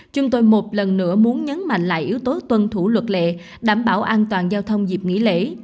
chúng tôi một lần nữa muốn nhấn mạnh lại yếu tố tuân thủ luật lệ đảm bảo an toàn giao thông dịp nghỉ lễ